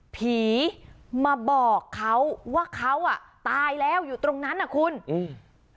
ผีมาบอกเขาว่าเขาอ่ะตายแล้วอยู่ตรงนั้นน่ะคุณอืม